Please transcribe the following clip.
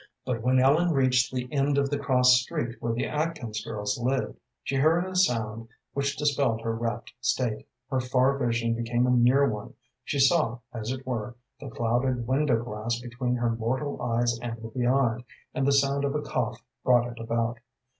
But when Ellen reached the end of the cross street where the Atkins girls lived, she heard a sound which dispelled her rapt state. Her far vision became a near one; she saw, as it were, the clouded window glass between her mortal eyes and the beyond, and the sound of a cough brought it about.